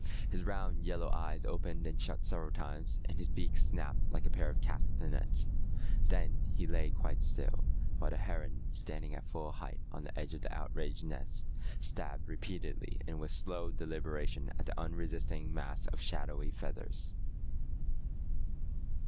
His round yellow eyes opened and shut several times, and his beak snapped like a pair of castanets. Then he lay quite still, while the heron, standing at full height on the edge of the outraged nest, stabbed repeatedly and with slow deliberation at the unresisting mass of shadowy feathers.